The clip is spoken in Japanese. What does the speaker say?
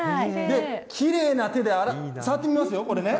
きれいな手で、触ってみますよ、これね。